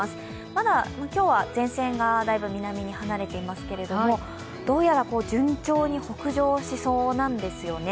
まだ今日は前線がだいぶ南に離れていますけれどもどうやら順調に北上しそうなんですよね。